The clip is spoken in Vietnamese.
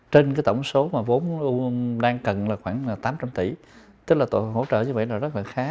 trên cái tổng số mà vốn đang cần là khoảng tám trăm linh tỷ tức là hỗ trợ như vậy là rất là khá